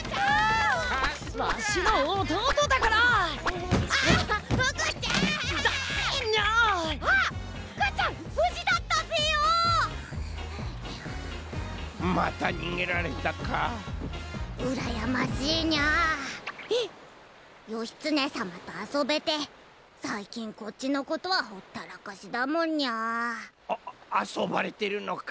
ああそばれてるのカ。